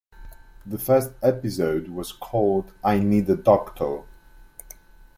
The first episode was called I Need a Doctor!